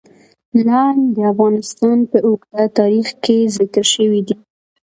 لعل د افغانستان په اوږده تاریخ کې ذکر شوی دی.